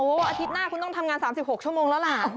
อาทิตย์หน้าคุณต้องทำงาน๓๖ชั่วโมงแล้วล่ะ